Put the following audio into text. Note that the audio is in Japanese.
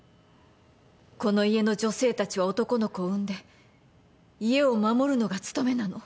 この家の女性たちは男の子を産んで家を守るのが務めなの。